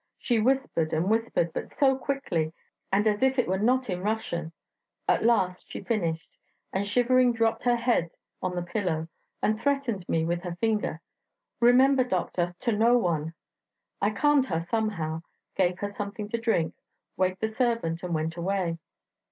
... She whispered and whispered, but so quickly, and as if it were not in Russian; at last she finished, and shivering dropped her head on the pillow, and threatened me with her finger: 'Remember, doctor, to no one.' I calmed her somehow, gave her something to drink, waked the servant, and went away."